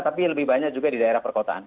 tapi lebih banyak juga di daerah perkotaan